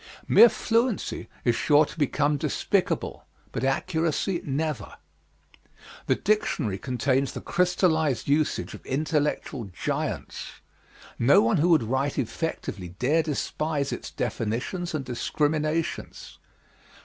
Mere fluency is sure to become despicable, but accuracy never. The dictionary contains the crystallized usage of intellectual giants. No one who would write effectively dare despise its definitions and discriminations.